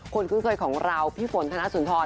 คุ้นเคยของเราพี่ฝนธนสุนทร